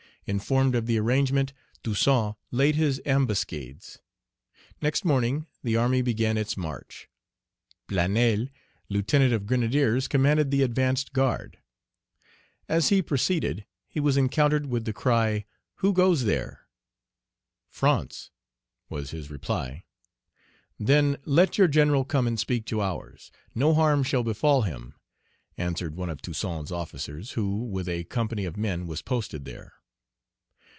Informed of the arrangement, Toussaint laid his ambuscades. Next morning, the army began its march. Planel, lieutenant of grenadiers, commanded the advanced guard. As he proceeded, he was encountered with the cry, "Who goes there?" "France," was his reply. "Then let your general come and speak to ours, no harm shall befall him," answered one of Toussaint's officers, who, with a company of men, was posted there.